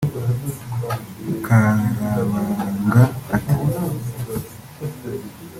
Karabaranga ati